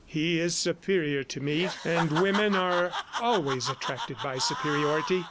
He is superior to me, and women are always attracted by superiority.